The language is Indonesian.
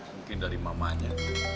mungkin dari mamanya